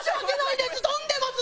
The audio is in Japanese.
飛んでます！